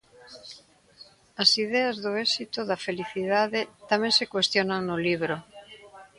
As ideas do éxito, da felicidade... tamén se cuestionan no libro.